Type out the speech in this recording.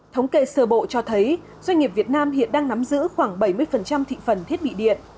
thống kê sở bộ cho thấy doanh nghiệp việt nam hiện đang nắm giữ khoảng bảy mươi thị phần thiết bị điện